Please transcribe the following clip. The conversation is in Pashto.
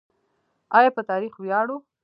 آیا په تاریخ ویاړو؟